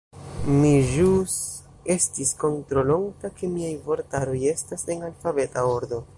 Mi ĵus estis kontrolonta ke miaj vortaroj estas en alfabeta ordo.